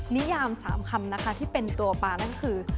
นิยาม๓คำนะคะที่เป็นตัวปลานั่นคือ